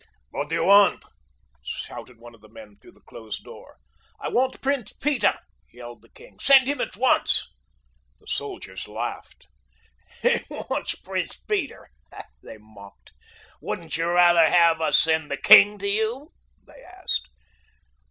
"What do you want?" shouted one of the men through the closed door. "I want Prince Peter!" yelled the king. "Send him at once!" The soldiers laughed. "He wants Prince Peter," they mocked. "Wouldn't you rather have us send the king to you?" they asked.